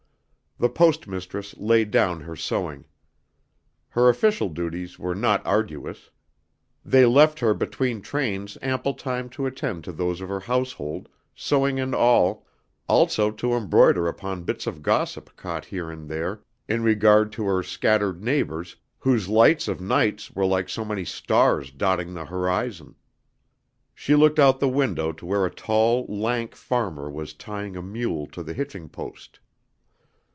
The Post Mistress laid down her sewing. Her official duties were not arduous. They left her between trains ample time to attend to those of her household, sewing and all, also to embroider upon bits of gossip caught here and there in regard to her scattered neighbors whose lights of nights were like so many stars dotting the horizon. She looked out the window to where a tall lank farmer was tying a mule to the hitching post.